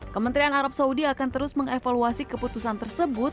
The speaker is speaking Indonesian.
kementerian arab saudi akan terus mengevaluasi keputusan tersebut